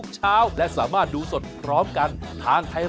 ช่องสาธุศพ